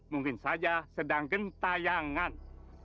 mungkin saja sedang gentayangan